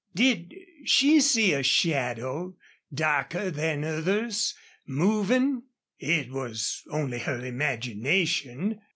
Did she see a shadow darker than others moving? It was only her imagination.